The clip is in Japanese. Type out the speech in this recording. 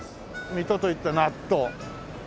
水戸といったら納豆。